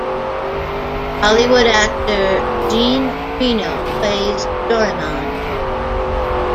Hollywood actor Jean Reno plays Doraemon.